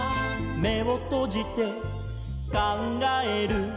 「めをとじてかんがえる」